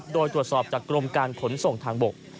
โดยตรวจสอบจากกรมการขนส่งทางบก